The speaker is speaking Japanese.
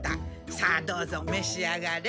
さあどうぞめし上がれ。